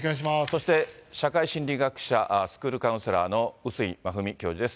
そして社会心理学者、スクールカウンセラーの碓井真史教授です。